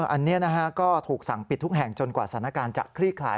อันนี้ก็ถูกสั่งปิดทุกแห่งจนกว่าสถานการณ์จะคลี่คลาย